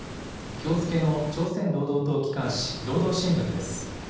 きょう付けの朝鮮労働党機関紙、労働新聞です。